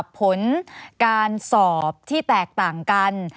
ผลการสอบที่แตกต่างกัน